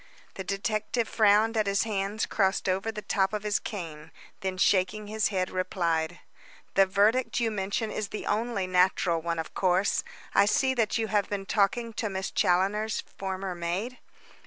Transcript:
The detective frowned at his hands crossed over the top of his cane, then shaking his head, replied: "The verdict you mention is the only natural one, of course. I see that you have been talking with Miss Challoner's former maid?"